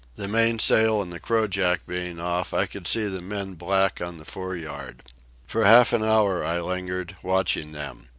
The mainsail and the crojack being off, I could see the men black on the fore yard. For half an hour I lingered, watching them.